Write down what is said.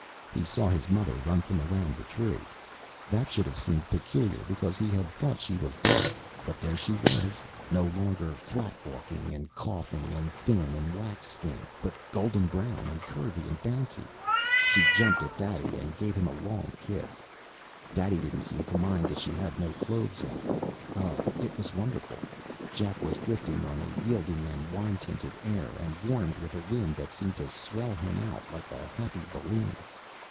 He saw his mother run from around the tree. That should have seemed peculiar, because he had thought she was dead. But there she was, no longer flat walking and coughing and thin and wax skinned, but golden brown and curvy and bouncy. She jumped at Daddy and gave him a long kiss. Daddy didn't seem to mind that she had no clothes on. Oh, it was so wonderful. Jack was drifting on a yielding and wine tinted air and warmed with a wind that seemed to swell him out like a happy balloon....